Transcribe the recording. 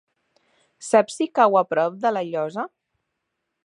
Saps si cau a prop de La Llosa?